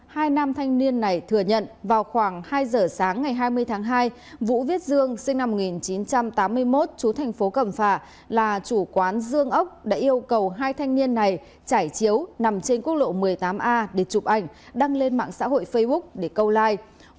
hai nam thanh niên này thừa nhận vào khoảng hai giờ sáng ngày hai mươi tháng hai vũ viết dương sinh năm một nghìn chín trăm tám mươi một chú thành phố cẩm phả là chủ quán dương ốc đã yêu cầu hai thanh niên này trải chiếu nằm trên quốc lộ một mươi tám a để chụp ảnh đăng lên mạng xã hội facebook để câu like